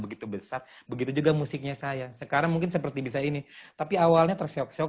begitu besar begitu juga musiknya saya sekarang mungkin seperti bisa ini tapi awalnya tersyok syok